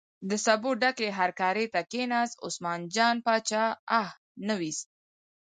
د سبو ډکې هرکارې ته کیناست، عثمان جان باچا اه نه ویست.